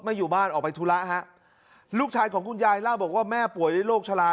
อยู่บ้านออกไปธุระฮะลูกชายของคุณยายเล่าบอกว่าแม่ป่วยด้วยโรคชะลา